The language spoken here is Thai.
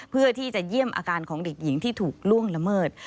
เพื่อที่จะเยี่ยมอาการของเด็กหญิงที่ถูกล่วงละเมิด